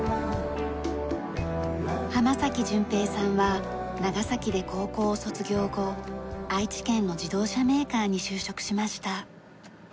濱崎純平さんは長崎で高校を卒業後愛知県の自動車メーカーに就職しました。